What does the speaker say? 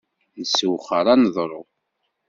Nessewxer aneḍru.